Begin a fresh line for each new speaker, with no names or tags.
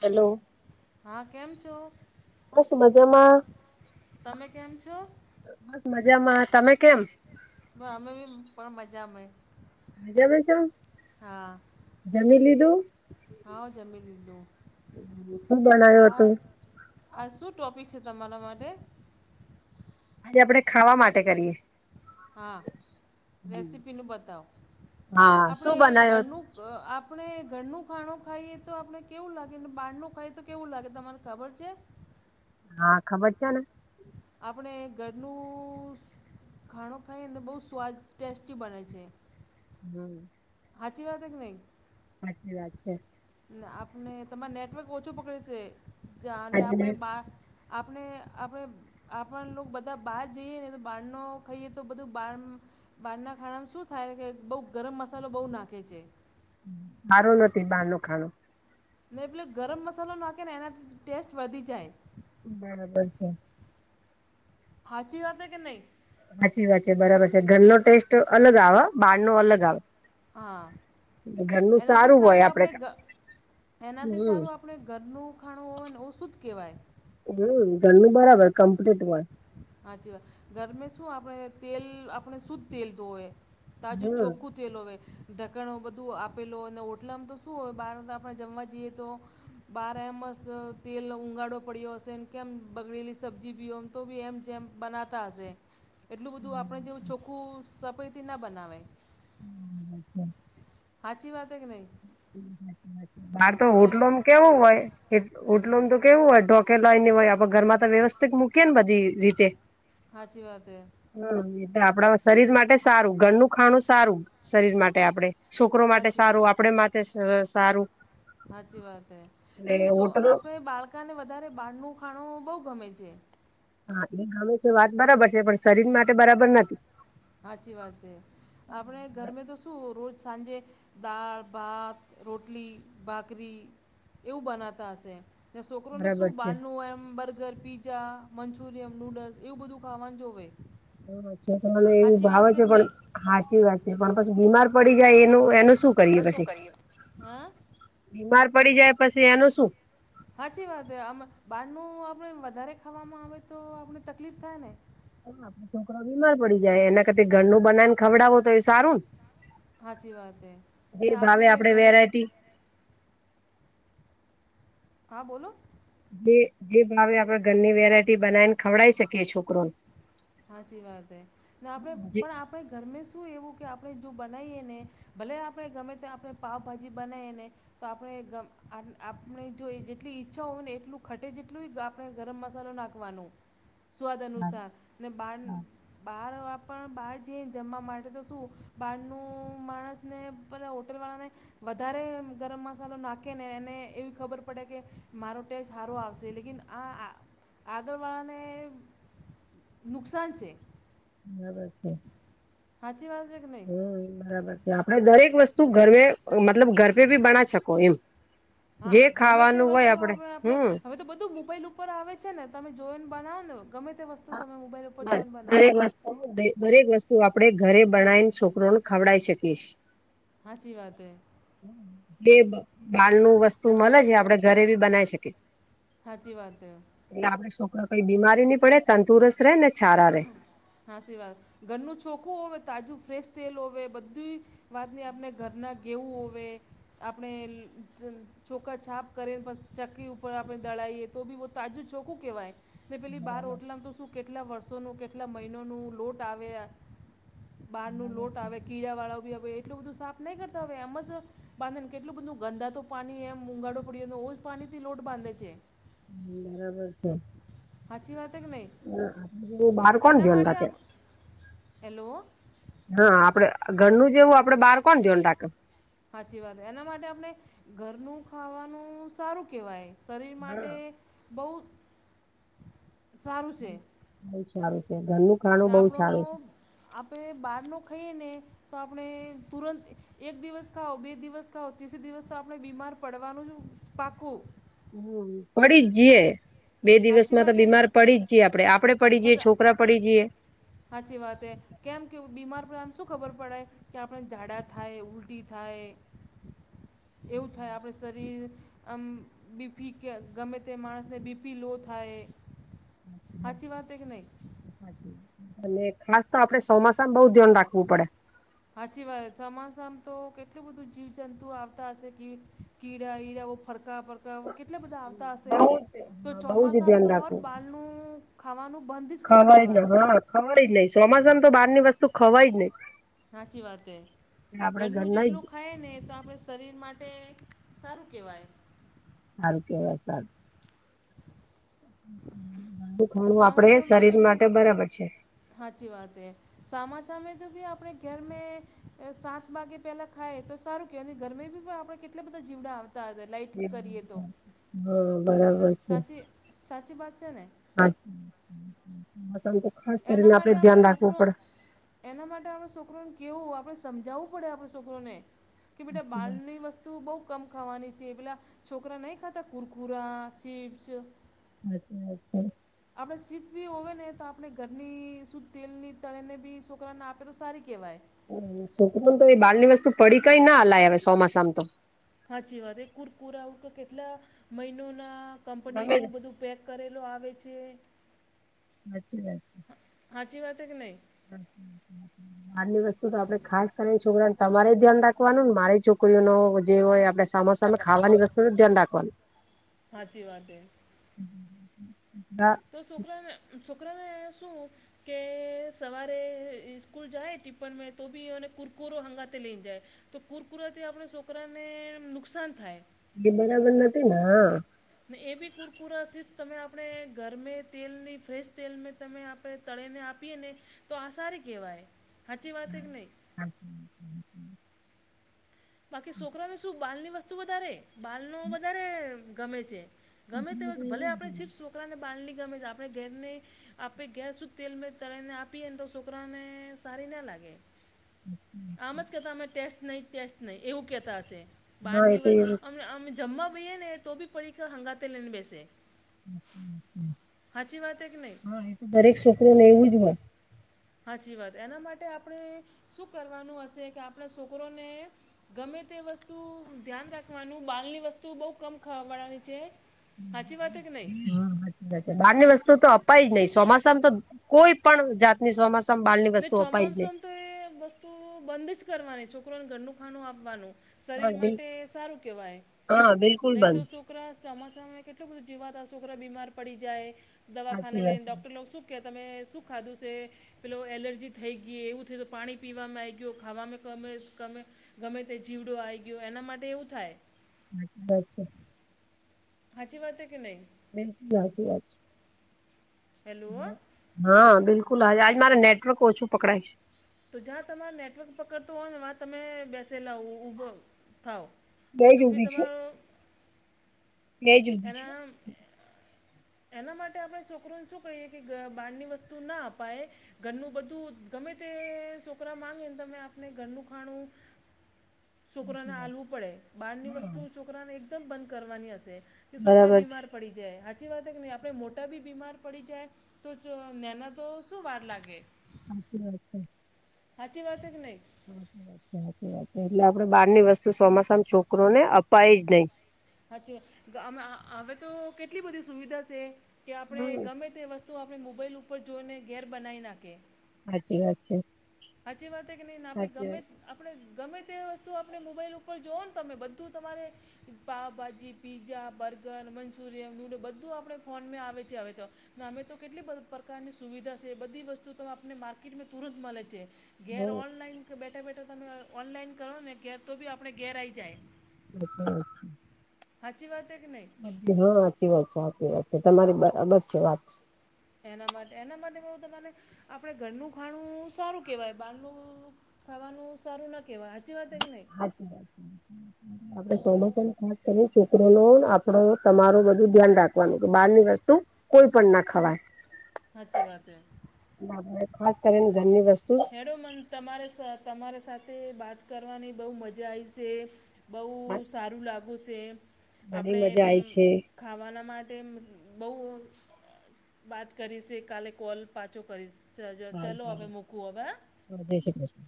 Hello
હા કેમ છો?
બસ મજામાં.
તમે કેમ છો?
બસ મજામાં તમે કેમ
તો હમે બી બા મજામાં.
મજા મજા
હા
જમી લીધું?
હા જમી લીધું
શું બનાવ્યું
આ
હતું?
આ શું ટોપિક છે તમારા માટે
આજે આપણેે ખાવા માટે કરીએ
હા રેસીપીનું બતાવો
હા શું
આપણે
બનાયો?
ઘરનું અ આપણે ઘરનું ખાણું ખાઈએ તો આપણે કેવું લાગે બાારનું ખાઈએ તો કેવું લાગે તમને ખબર છે
હા ખબર છે ને
આપણે ઘરનું ખાણો ખાઈએ ને બહુ સ્વાદ ટેસ્ટી બને છે.
હમ્મ.
હાચી વાત હે કે નહી
સાચી વાત છે.
ને આપને તમાર નેટવર્ક ઓછું પકડે સે જા અને
આજે
આપણે બા આપણે આપે આપણ નું બધા બહાર જઈએ ને બહાર નો ખઈએ તો બધું બાર બહારના ખાણામાં શું થાય કે બઉ ગરમ મસાલો બહુ નાખે છે.
સારું નથી બહાર નુ ખાણું.
ને એટલે ગરમ મસાલો નાખે ને એનાથી ટેસ્ટ વધી જાય.
બરાબર છે.
હાચી વાત હે કે નઈ?
સાચી વાત છે બરાબર છે ઘરનો ટેસ્ટ અલગ આવ બહાર નો અલગ આવે
હા
ઘરનું
એનાથી
હોય
સારું
આપડે
આપણે ગ એનાથી
હમ
સારું આપ આપણે ઘરનું ખાણું હોય ને ઓસુ જ કેવાય.
હમ્મ ઘરનુ બરાબર કમ્પ્લીટ હોય.
હાચીવાત ગરમે શું આપણે તેલ આપણે શુદ્ધ તેલ દ હોય તાજું
હમ.
ચોખ્ખું ટેલો હોવે ઢકણ બધું આપેલો અને હોટલામાં તો શું હોય બહારમાં તો આપણે જમવા જઈએ તો બહાર એમસ તેલ ઊગાડો પડ્યો હશેને કેમ બગડેલી સબ્જી બી ઓમ તો બી એમ જેમ બનાવતા હશે એટલું બધું આપણે જેવું ચોખ્ખું સફાઈ થી ના બનાવે.
હમ્મ તેમ
હાચી વાત હે કે નહી?
આ તો હોટલોનું તો કેવુ હોય
હમ
હોટલોનું તો કેવું હોય ઢોકે લાઈ ની હોય આપ ઘરમાં વ્યવસ્થિત મૂકી ને બધી રીતે
સાચી વાત હે
હમ્મ એટલે આપણા શરીર માટે સારું ઘરનું ખાણું સારું શરીર માટે આપડે છોકરો માટે
સાચી
સારું આપડે માટે સારું
હાચી વાત હે
એટલે
લેકિન સો
હોટલો
આપણે બાળકાને વધારે બહારનું ખાણું બહુ ગમે છે.
હા એ ગમે છે વાત બરાબર છે પણ શરીર માટે બરાબર નથી.
હાચી વાત એ આપણે ઘરમે તો શું રોજ સાંજે દાળ, ભાત, રોટલી, ભાખરી એવું બનાતા હશે તે સોકરોને સુ
બરાબર છે
બારનું એમ બર્ગર પી ચા મંચુરિયમ નૂડલ્સ એવું બધું ખાવાનું જોવે
હ છોકરાને એવું
સાચી વાત
ભાવે છે
કે
પણ
નહીં
સાચી વાત છે પણ પછ બીમાર પડી જાય એનું એનું શું કરીએ પછી
હા
બીમાર પડી જાય પછી એનું શું?
હાચી વાત એ આ બહારનું આપણે વધારે ખાવામાં આવે તો આપને તકલીફ થાય ને?
આપે છોકરા બીમાર પડી જાય એના કરતા ઘરનું બનાઈને ખવડાવો તો એ સારું ને?
હાચી વાત એ ને
જે ભાવે
આપણે
આપડે
ગર
વેરાયટી
હા બોલો.
જે જે ભાવે આપડે ઘરની વેરાયટી બનાવીને ખવડાવી શકીએ છોકરોને.
હાચી વાત હૈ ને આપણે
જી
પણ આપણે ઘરમે શું એવું કે આપણે જો બનાઇએ ને ભલે આપણે ગમે તે આપણે પાવભાજી બનાઈ એને તો આપણે ગમ આટ આપણે જો જેટલી ઈચ્છા હોય ને એટલું ખટે જેટલું હોય તો આપ ણે ગરમ મસાલો નાખવાનો સ્વાદ અનુસાર ને બારનુ બહાર આપણ બહાર જઈ જમવા માટે તો શું બહારનું માણસ ને બધા હોટલ વાળાને વધારે ગરમ મસાલો નાખે ને એને એવી ખબર પડે કે મારો ટેસ્ટ હારો આવશે લેકન આ આ આગળવાળાને નુકસાન છે.
બરાબર છે.
હાચી વાત કે ન
હમ બરાબર છે આપડે દરેક વસ્તુ ઘર મતલબ ઘર આપ બી બના શકો એમ જે ખાવાનું હોય આપડે હમ.
બધું બધું મોબાઈલ ઉપર આવે છે ને તમે જોઈને બનાવો ને ગમે તે વસ્તુ તમે મોબાઈલ ઉપર
બસ
જોઈને બનાવો.
દરેક વસ્તુ દરેક વસ્તુ આપડે ઘરે બનાવીને છોકરોને ખવડાઈ શકીએ.
સાચી વાત હે
જે બાળ નું વસ્તુ
નું
મળે છે
વસ્તુ
આપડે ઘરે બી બનાવી શકીએ.
સાચી વાત હે.
એટલે આપડે છોકરા કઈ બીમારી નહી પડે તંદુરસ્ત રહેે ને છારા રે.
હાસીવાત ઘરનું ચોખું હો તાજું ફ્રેશ તેલ હોવે બધુંય વાતની આપણે ઘરના ગેવું હોવે આપણે. છોકરા છાપ કરે બસ ચક્કી ઉપર આપણે દળાઈએ તો બીહ તાજું ચોકું કહેવાય. પેલી બહાર
બરાબર
ઓટલામ તો શું કેટલા વર્ષોનું, કેટલા મહિનોનું લોટ આવે યાર. બહાર નું લોટ આવે કીડા વાળા બી હ એટલું બધું સાફ નહી કરતા હોય હવે એમ જ બાંધે ને કેટલું બધું ગંદાતુ પાણી એમ ઉગાડો પડ્યો એ જ પાણી થી લોટ બાંધે છે. સાચી વાત છે કે નહીં
[unintelligible] બાર કોણ
એના
ધ્યાન
માટે
રાખ?
આપ હેલો.
હા આપડે ઘરનું જેવું આપડે બહાર કોણ ધ્યાન રાખે.
સાચી વાત એના માટે આપણે ઘરનું ખાવાનું સારું કહેવાય. શરીર માટે બહુ સારું છે.
બહુ સારું છે ઘરનું
ને
ખાણું બહુ
આપણો
સારું છે.
આપણે બહારનુ ખાઈએ ને તો આપણે તુરંત એક દિવસ ખાઓ, બે દિવસ ખાઓ, ત્રીજે દિવસ તો આપણે બીમાર પડવાનું જ પાક્કુ.
હમ પડી જ જે. બે
સાચી
દિવસમાં તો
વાત છે
બીમાર
ને
પડી જ જે આપડે આપડે પડી જઈએ,
ફક્ત
છોકરા પડી જઈએ.
સાચી વાત એ કેમ કેવું બીમાર પડેમ શું ખબર પડે કે આપણે ઝાડા થાય, ઉલટી થાય, એવું થાય આપડે શરીર આમ બીફી કે ગમે તે માણસ. અને બીપી લો થાય. સાચી વાત છે કે નહીં
[inaudible] અને ખાસ તો આપડે ચોમાસા માં બઉ ધ્યાન રાખવું પડે.
[inaudible] સાચી વાત ચોમાસામા તો કેટલું બધું જીવ જંતુઓ આવતા હશે કીડા ઈડા ફરકા ફર કેટલે બધા આવતા હશે.
બઉ જ
તો
હા, બઉ જ
ચોમાસામાં
ધ્યાન
તો ઔર
રાખવું
બાળનું ખાવાનું બંધ જ કરી
ખવાય ન,
દેવાનું જ.
હા ખવાય જ નહિ. ચોમાસામા તો બાર ની વસ્તુ ખવાય નહી.
સાચી વાત એ
આપડે
ઘરનું
ઘરના જ
જેટલું ખાય ને તો આપણે શરીર માટે સારું કહેવાય
હલ કે વસાદ દુ ખાણું
સામા
આપડે
સામે તો
શરીર
કેટલું
માટે બરાબર છે
સાચી વાત હ. સામાસામે તો ભી આપડે ઘર મે સાત વાગે પેલા ખાય તો સારું કે ગરમે બી પણ આપણે કેટલા બધા જીવડા આવતા હતા. લાઇટ કરીએ તો
હ બરાબર છે.
સાચી સાચી વાત છે ને?
આજનું મોસમ તો ખાસ
એના
કરીને આપડે
માટે આપણે
ધ્યાન રાખવું
છોકરો.
પડે.
એના માટે આપણે છોકરોને કેહેવું, આપણે સમજાવવું પડે આપણે છોકરોને કે બેટા
સાચી વાત,
બારની વસ્તુ તો બહુ કમ ખાવાની છે પેલા છોકરા નહીં ખાતા કુરકુરા, ચીપ્સ,
અચ્છ અચ્છા.
આપણે સિફ બી હોય ને તો આપણે ઘરની શુદ્ધ તેલની તળે ને બી છોકરાને આપે તો સારી કહેવાય.
છોક તો એ બાળ ની વસ્તુ પડીકાઈ ના અલાય અવે સોમાસામાં તો.
સાચી વાત એ કુરકુરા આવું કે કેટલા મહિનો ના
ગમે તે
કંપનીનું બધું પેક કરેલો આવે છે.
સાચચી વા છે.
હાચ વાત કે નહી.
હમ્. બારની વસ્તુ તો આપડે ખાસ કરીને છોકરાને તમારે ધ્યાન રાખવાનું ને મારી છોકરીઓ ન જે હોય આપડે. સા સામે
આપણે
ખાવાની વસ્તુ ધ્યાન રાખવાનું.
સાાચી વાત એ.
હ.
તો છોકરાને છોકરાને શું. કે સવારે સ્કૂલ જાય ટિપ્પણમાં તો બીઓને કુરકુરો હંગાતે લઈને જાય. તો કુરકુરાથી આપણા છોકરાને નુકસાન થાય.
એ બરાબર નથી તેના.
ને એ બી કુરકુરાસી તમે આપણે ગરમે તેલની ફ્રેશ તેલ તમે. આપણે તળેને આપીએ ને તો આ સારી કહેવાય સાચી વાત કે નહીં.
હચ્છા.
બાકી છોકરાને શું બાલ ની વસ્તુ વધારે બાલ ન વધારે ગમે છે. ગમે તે ભલે આપણે ચીપ્સ છોકરાને બાંધની ગમે આપણે ઘરને. આપે ગેસ જ તેલમાં તળને આપીએ ને તો છોકરાઓને સારી ના લાગે. આમ જ કેતા અમે ટેસ્ટ નહી ટેસ્ટ નહી એવું કેતા હશે
હા એ
બારની.
તો એવું
અ જમવા બેૈએ ને તો બી પડી હંગાતે લઈને બેસે. સાચી વાત હે કે નહીં
હા એ તો દરેક છોકરોને એવું જ હોય.
સાચી વાત એના માટે આપણે શું કરવાનું હશે કે આપણા છોકરોને. ગમે તે વસ્તુ ધ્યાન રાખવાનું બાલની વસ્તુ બહુ કમ ખાવા વાળાની છે. સાચી વાત કે નહીં
હમ. બારની વસ્તુ તો અપાઈ જ નહીિ ચોમાસામ તો કોઈ પણ જાતની ચોમાસા.
ને ચોમાસુંમાં તો એ વસ્તુ બંધ જ કરવાની છોકરોને ઘરનું ખાણું આપવાનું.
બસ
શરીર
બિલ
માટે સારું કહેવાય.
હા બિલ.
નહી તો છોકરા ચોમાસામાં કેટલું બધું જીવાતા છોકરા બીમાર પડી જાય. દવાખાને
સાચી વાત
લઈને
છે
ડૉક્ટર લોકો શુંખ કેહે તમે શુંખ ખાધું છે. પેલો એલર્જી થઈ ગઈ એવું થઈ તો પાણી પીવામાં આવી ગયું ખાવામાં ગમે ગમે. ગમે તે જીવડો આવી ગયો એના માટે એવું થાય.
અચા વાચછા.
હાજી વાત હ કે નહી.
બલકુલુ વાત.
હેલો હા
હા બિલકુલ હ આજ મારે નેટવર્ક ઓછું પકડાય છે.
તો જ્યાં તમાર નેટવર્ક પકડતોું હોય ને વાં તમે બેસેલા ભો થાવ. એ તો
છે
ફી
બે જ ઉભી છે
તમારોું
બે જ ઉભી છે
એના. એના માટે આપણે છોકરોને શું કહીએ કે બહારની વસ્તુ ના અપાય ઘરનું બધું ગમે. છોકરા માંગી ને તમે આપને ઘરનું ખાણું. છોકરાને હલવું પડે બહારની
હા
વસ્તુ છોકરાને એકદમ બંધ કરવાની હશે કે છોકરા
બરાબર છે
બીમાર. પડી જાય સાચી વાત કે નહી આપણે મોટા બી બીમાર પડી જાય. તો જ ના તો શું વાર લાગે.
સાચી વાત છે.
સાાચી વાસે કે નહી.
વાી વા એટલે આપડે બહારની વસ્તુ સોમાસામ છોકરોને અપાય જ નહીિ.
અચ્છા હવે તો કેટલી બધી સુવિધા છે કે આપણે
હમ
ગમે તે વસ્તુ. તો આપણે મોબાઈલ ઉપર જોઈને ઘેર બનાવી નાખી.
હાી વાત છે.
હચચી વાતે કે ન નાે
સાચી
ગમે.
વાત
આપણે ગમે તે વસ્તુ આપણે મોબાઈલ ઉપર જઓ ને તમે બધું તમારે. Pav bhaji pizza burger Manchurian noodle બધું આપણેે ફોનમાં આવે છે હવે તો. અમે તો કેટલી પ્રકારની સુવિધા છે બધી વસ્તુ તો આપને માર્કેટમાં તુરંત મળે છે.
હમ
ઘેર ઓનલાઈન બેઠા બેઠા તમે ઓનલાઈન કરો ને ઘેર તો બી આપણે ઘેર આ આવી જાય.
[unintelligible]
હાચી વાતે કે નઇ.
હા સાચી વાત છે સાચી વાત છે તમારી બરાબર છે વાત છે.
એના માટે એના માટે બવું તમાને આપણે ઘરનું ખાણું સારું કેહેવાય બારનું. ખાવાનું સારું ના કહેવાય સાચી વાત કે નહીં.
એ [unintelligible]
[unintelligible]
આપડણે સોમ પણ ખાસ કરીને છોકરો નો આપડો તમારું બધું ધ્યાન રાખવાનું કે બહાર ની વસ્તુ. કોઈ પણ ના ખવાય.
અચછી વાત હૈ.
બબ ખાસ કરીને ઘરની વસ્તુ.
મેડ મન તમારે તમારા સાથે વાત કરવાની બહુ મજા આવી છે. બહુ
જ
સારું લાગ્યું છે
ઘણી
આપણે.
મજા આઈ છે
ખાવાના માટે બહુ વાત કરી છે કાલે કોલ. પાછો કરીશ ચલો હવે મૂકવું હવે હા.
હા જય શ્રી કૃષ્ણ.